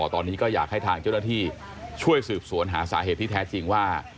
ตอนนี้ก็อยากให้ทางเจ้าหน้าที่ช่วยสืบสวนหาสาเหตุที่แท้จริงว่า